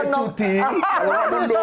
pasal tujuh belas undang undang